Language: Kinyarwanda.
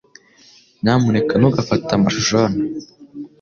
Nyamuneka ntugafate amashusho hano